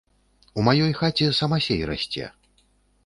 У маёй хаце самасей расце.